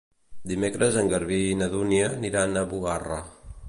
Dimecres en Garbí i na Dúnia aniran a Bugarra.